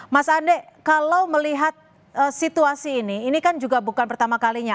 mas andde kalau melihat situasi ini ini kan juga bukan pertama kalinya